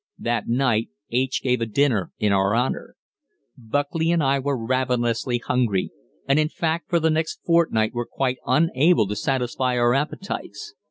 That night H. gave a dinner in our honor. Buckley and I were ravenously hungry, and in fact for the next fortnight were quite unable to satisfy our appetites.